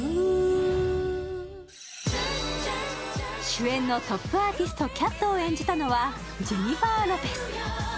主演のトップアーティスト、キャットを演じたのはジェニファー・ロペス。